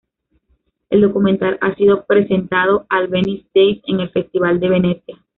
El documental ha sido presentado al Venice Days, en el Festival de Venecia.